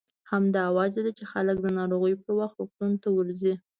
همدا وجه ده چې خلک د ناروغۍ پر وخت روغتون ته ورځي.